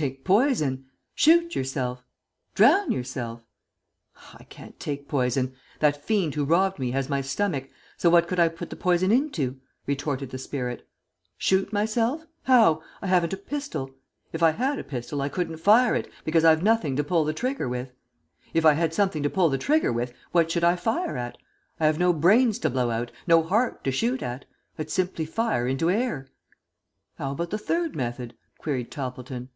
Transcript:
"Take poison! Shoot yourself! Drown yourself!" "I can't take poison. That fiend who robbed me has my stomach, so what could I put the poison into?" retorted the spirit. "Shoot myself? How? I haven't a pistol. If I had a pistol I couldn't fire it, because I've nothing to pull the trigger with. If I had something to pull the trigger with, what should I fire at? I have no brains to blow out, no heart to shoot at. I'd simply fire into air." "How about the third method?" queried Toppleton.